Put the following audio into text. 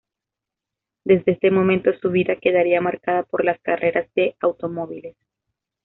Desde este momento su vida quedaría marcada por las carreras de automóviles.